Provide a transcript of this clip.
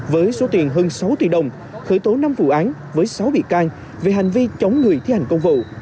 với số tiền hơn sáu tỷ đồng khởi tố năm vụ án với sáu bị can về hành vi chống người thi hành công vụ